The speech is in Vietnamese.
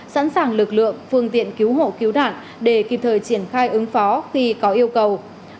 sẵn sàng lực lượng phương tiện cứu hộ cứu nạn để kịp thời triển khai ứng phó khi có yêu cầu